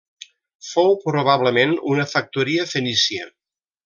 Fou probablement una factoria fenícia.